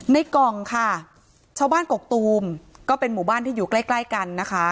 ในกล่องค่ะชาวบ้านกกตูมก็เป็นหมู่บ้านที่อยู่ใกล้ใกล้กันนะคะ